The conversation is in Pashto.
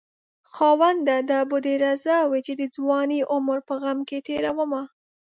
خاونده دا به دې رضا وي چې د ځوانۍ عمر په غم کې تېرومه